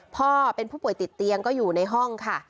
พ่อเป็นผู้ป่วยติดเตียงก็อยู่ในห้องค่ะ